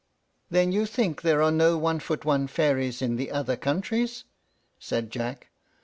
"Then you think there are no one foot one fairies in the other countries," said Jack.